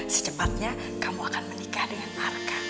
secepatnya kamu akan menikah dengan marka